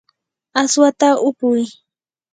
aswata upuy.